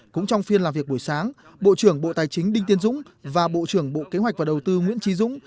cũng trong phiên làm việc buổi sáng bộ trưởng bộ tài chính đinh tiên dũng và bộ trưởng bộ kế hoạch và đầu tư nguyễn trí dũng